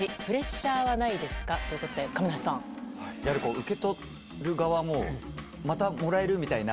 受け取る側もまたもらえる！みたいな。